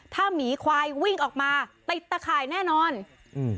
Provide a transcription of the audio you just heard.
ถ้าหมีควายวิ่งออกมาติดตะข่ายแน่นอนอืม